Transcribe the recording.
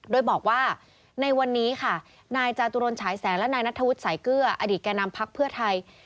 โดยบอกว่าในวันนี้ค่ะนายจาตุรนฉายแสงและนายนัทธวุฒิสายเกลืออดีตแก่นำพักเพื่อไทย